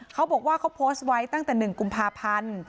เขาบอกว่าเขาโพสต์ไว้ตั้งแต่๑กุมภาพันธ์